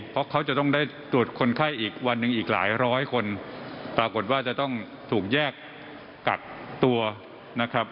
เพราะเขาจะต้องได้ตรวจคนไข้อีกวันหนึ่งอีกหลายร้อยคนปรากฏว่าจะต้องถูกแยกกักตัวนะครับ